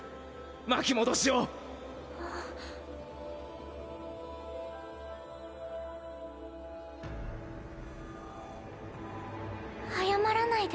巻き戻しをあやまらないで。